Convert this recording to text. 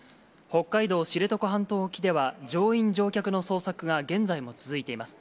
北海道知床半島沖では、乗員・乗客の捜索が現在も続いています。